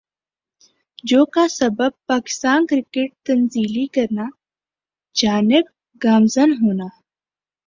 جو کا سبب پاکستان کرکٹ تنزلی کرنا جانب گامزن ہونا